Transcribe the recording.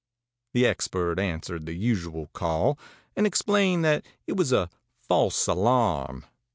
ãThe expert answered the usual call, and explained that it was a 'False alarm.'